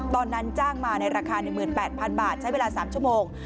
ตอนนั้นจ้างมาในราคา๑๘๐๐๐บาทใช้เวลา๓ชั่วโมง